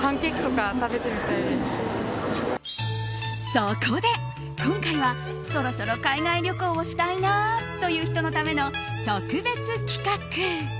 そこで、今回はそろそろ海外旅行したいなという人のための特別企画。